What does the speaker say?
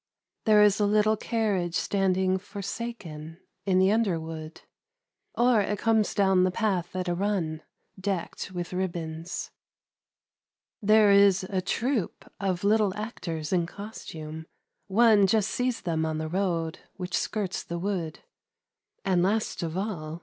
There is .1 little carriage standing forsaken in the under wood; or it (Dines down the path at a run. decked with nbl>. There is a troupe of lath actors in costume; one just them on the road which skirts the v. And last of all.